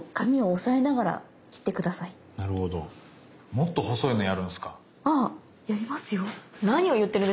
もっと細いのやるんすか。